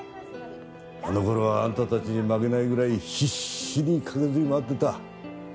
あの頃はあんたたちに負けないぐらい必死に駆けずり回ってた。